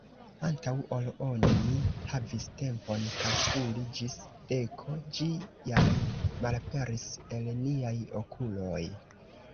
Antaŭ ol oni havis tempon kalkuli ĝis deko, ĝi jam malaperis el niaj okuloj.